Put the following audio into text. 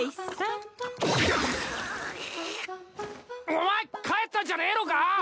お前帰ったんじゃねえのか！？